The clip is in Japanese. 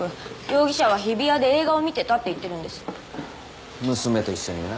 容疑者は日比谷で映画を見てたって言ってるんです娘と一緒にな